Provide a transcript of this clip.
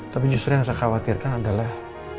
tapi justru yang saya khawatirkan adalah